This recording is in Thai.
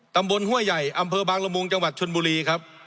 ห้วยใหญ่อำเภอบางละมุงจังหวัดชนบุรีครับ